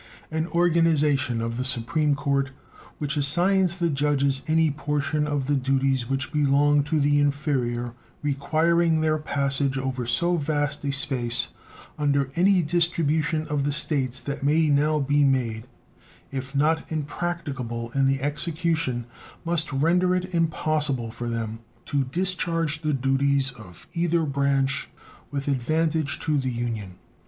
An organization of the Supreme Court which assigns the judges any portion of the duties which belong to the inferior, requiring their passage over so vast a space under any distribution of the States that may now be made, if not impracticable in the execution, must render it impossible for them to discharge the duties of either branch with advantage to the Union.